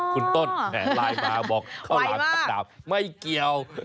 คุณต้นไลน์มาบอกข้าวหลามชักดาบไม่เกี่ยว